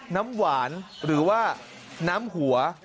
น้ำหวานหรือว่าน้ำหัว